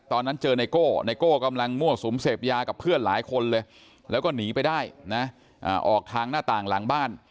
ตอนนั้นเจอไนโก้ไนโก้กำลังมั่วสุมเสพยากับเพื่อนหลายคนเลยแล้วก็หนีไปได้นะออกทางหน้าต่างหลังบ้าน